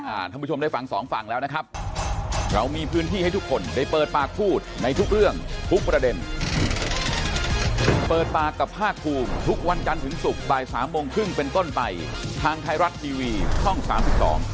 ท่านผู้ชมได้ฟังสองฝั่งแล้วนะครับ